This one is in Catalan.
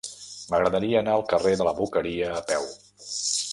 M'agradaria anar al carrer de la Boqueria a peu.